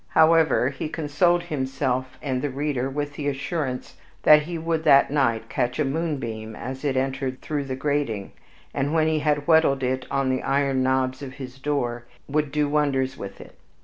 However, he consoled himself and the reader with the assurance, that he would that night catch a moonbeam as it entered through the grating, and, when he had whetted it on the iron knobs of his door, would do wonders with it.